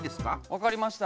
分かりました。